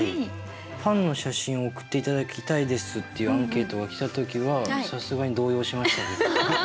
パンの写真を送って頂きたいですっていうアンケートが来た時はさすがに動揺しましたね。